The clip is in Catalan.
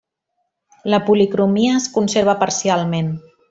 La policromia es conserva parcialment.